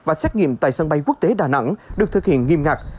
và xét nghiệm tại sân bay quốc tế đà nẵng được thực hiện nghiêm ngặt